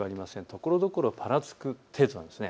ところどころぱらつく程度なんです。